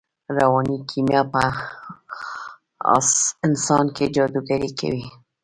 رواني کیمیا په انسان کې جادوګري کوي